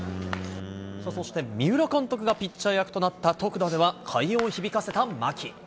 そして三浦監督がピッチャー役となった特打では、快音を響かせた牧。